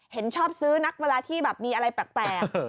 เห็นชอบซื้อนักเวลาที่แบบมีอะไรแปลก